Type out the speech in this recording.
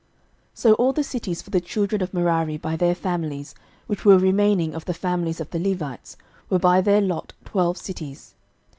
06:021:040 So all the cities for the children of Merari by their families, which were remaining of the families of the Levites, were by their lot twelve cities.